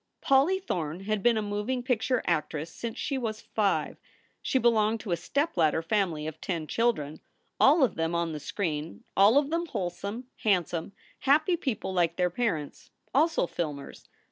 Polly Thorne had been a moving picture actress since she was five. She belonged to a stepladder family of ten children, all of them on the screen, all of them wholesome, handsome, happy people like their parents, also filmers.